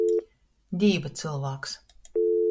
Dīva cylvāks.